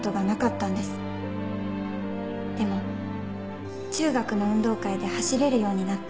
でも中学の運動会で走れるようになった。